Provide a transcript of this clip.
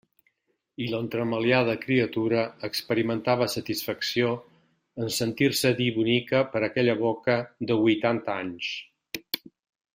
I l'entremaliada criatura experimentava satisfacció en sentir-se dir bonica per aquella boca de huitanta anys.